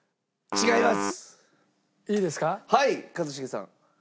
違います。